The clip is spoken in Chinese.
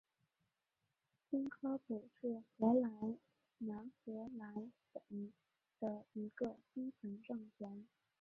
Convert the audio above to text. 新科普是荷兰南荷兰省的一个基层政权。